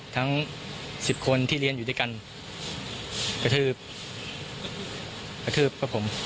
ทั้งสิบคนที่เรียนอยู่ด้วยกันกระทืบกระทืบครับผม